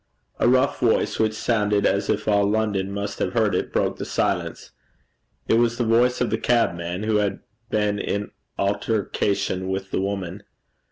A rough voice, which sounded as if all London must have heard it, broke the silence. It was the voice of the cabman who had been in altercation with the woman.